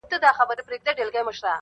پوهېږم نه چي بيا په څه راته قهريږي ژوند.